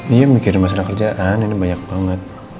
iya mikirin masalah kerjaan ini banyak banget